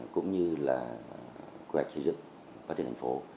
cũng như là kế hoạch chế dựng quá trình thành phố